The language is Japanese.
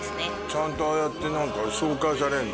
ちゃんとああやって紹介されんのね。